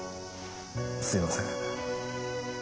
すいません。